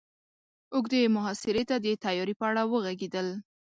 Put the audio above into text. اوږدې محاصرې ته د تياري په اړه وغږېدل.